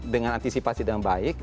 dengan antisipasi dengan baik